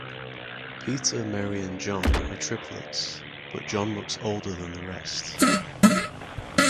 Peter, Mary, and John are triplets, but John looks older than the rest.